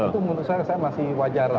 itu menurut saya masih wajar lah